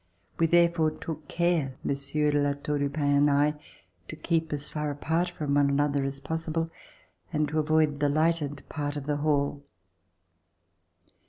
We therefore took care, Monsieur de La Tour du Pin and I, to keep as far apart from one another as possible and to avoid the lighted part of the hall.